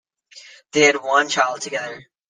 They had one child together.